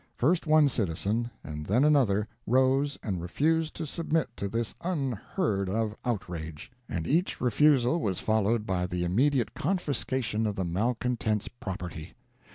First one citizen, and then another, rose and refused to submit to this unheard of outrage and each refusal was followed by the immediate confiscation of the malcontent's property.